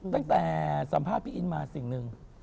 ตั้งแต่สัมภาษณ์พี่อินมาสิ่งหนึ่ง